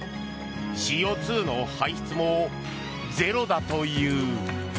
ＣＯ２の排出もゼロだという。